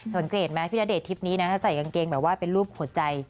เห็นหรือไม๊พี่ณเดชน์ทิศนี้นะฮะใส่กางเกงแบบว่าเป็นรูปหัวใจ